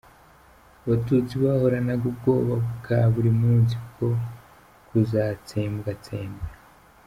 Abatutsi bahoranaga ubwoba bwa buri munsi bwo kuzatsembwatsembwa.